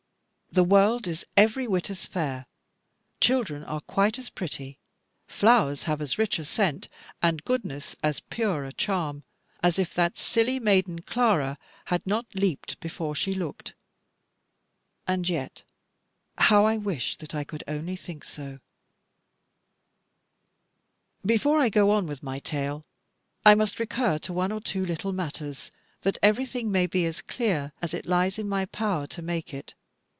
The world is every whit as fair, children are quite as pretty, flowers have as rich a scent, and goodness as pure a charm, as if that silly maiden Clara had not leaped before she looked. And yet how I wish that I could only think so. Before I go on with my tale, I must recur to one or two little matters, that everything may be as clear as it lies in my power to make it.